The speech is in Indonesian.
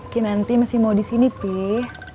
ke nanti masih mau di sini peh